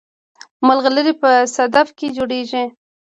ملغلرې په صدف کې جوړیږي